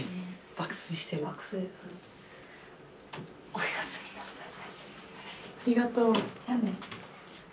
おやすみなさい。